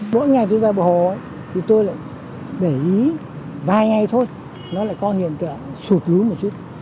mỗi ngày tôi ra bờ hồ tôi lại để ý vài ngày thôi nó lại có hiện tượng sụt lú một chút